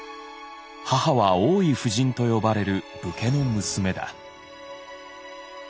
母は大井夫人と呼ばれる武家の娘だ。